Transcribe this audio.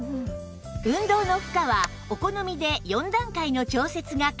運動の負荷はお好みで４段階の調節が可能